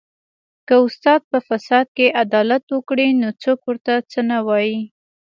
که استاد په فساد کې عدالت وکړي نو څوک ورته څه نه وايي